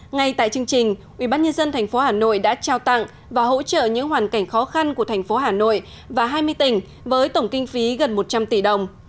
ngay tại chương trình ubnd tp hà nội đã trao tặng và hỗ trợ những hoàn cảnh khó khăn của thành phố hà nội và hai mươi tỉnh với tổng kinh phí gần một trăm linh tỷ đồng